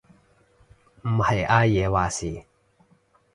唔係阿爺話事？